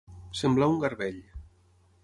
Semblar un garbell.